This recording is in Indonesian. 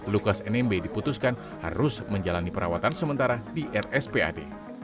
lukas nmb diputuskan harus menjalani perawatan sementara di rspad